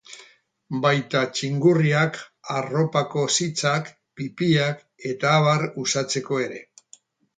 Baita txingurriak, arropako sitsak, pipiak eta abar uxatzeko ere.